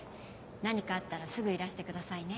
何かあったらすぐいらしてくださいね。